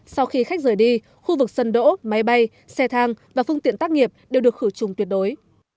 sau khi khách rời đi khu vực sân đỗ máy bay xe thang và phương tiện tác nghiệp đều được khử trùng tuyệt đối